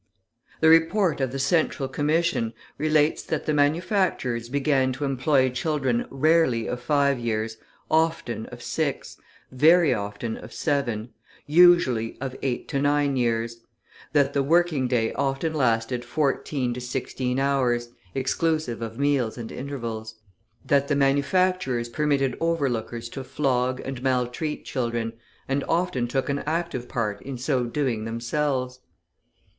The report of the Central Commission relates that the manufacturers began to employ children rarely of five years, often of six, very often of seven, usually of eight to nine years; that the working day often lasted fourteen to sixteen hours, exclusive of meals and intervals; that the manufacturers permitted overlookers to flog and maltreat children, and often took an active part in so doing themselves.